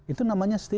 itu namanya setidaknya